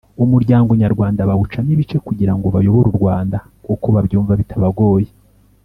Umuryango nyarwanda bawucamo ibice kugira ngo bayobore u Rwanda uko babyumva bitabagoye